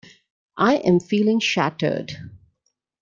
I am feeling shattered.